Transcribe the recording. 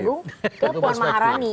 memberikan panggung ke puan maharani